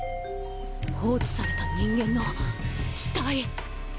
放置された人間の死体！